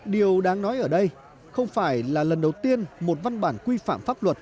điều đáng nói ở đây không phải là lần đầu tiên một văn bản quy phạm pháp luật